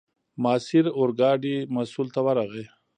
ماسیر اورګاډي مسوول ته ورغی.